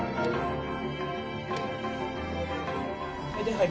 はい。